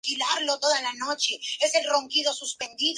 Su madera se emplea en la producción de papel.